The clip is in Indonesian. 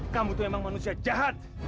kamu tuh emang manusia jahat